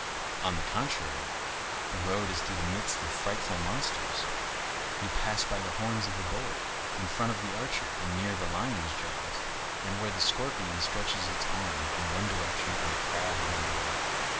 On the contrary, the road is through the midst of frightful monsters. You pass by the horns of the Bull, in front of the Archer, and near the Lion's jaws, and where the Scorpion stretches its arms in one direction and the Crab in another.